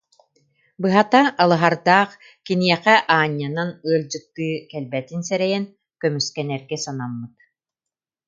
Быһата, Алыһардаах киниэхэ аанньанан ыалдьыттыы кэлбэтин сэрэйэн, көмүскэнэргэ санаммыт